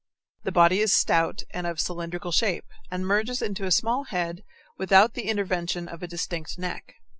The body is stout and of cylindrical shape, and merges into a small head without the intervention of a distinct neck.